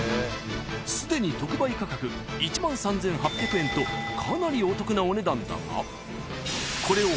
［すでに特売価格１３，８００円とかなりお得なお値段だがこれを］